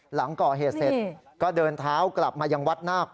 หลังก่อเหตุเสร็จก็เดินเท้ากลับมายังวัดนาค